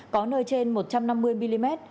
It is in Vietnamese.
có nơi trên một trăm năm mươi mm